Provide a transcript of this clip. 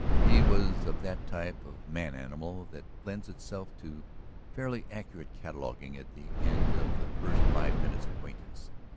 He was of that type of man animal that lends itself to fairly accurate cataloguing at the end of the first five minutes' acquaintance.